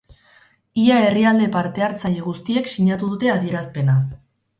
Ia herrialde parte-hartzaile guztiek sinatu dute adierazpena.